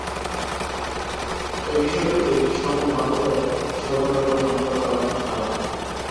এ বিষয়টিতে স্বপন বাধা দেওয়ায় স্বপনের ওপর হামলা চালান শাহ আলম।